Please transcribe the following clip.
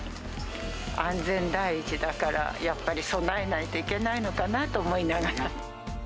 安全第一だから、やっぱり備えないといけないのかなと思いながら。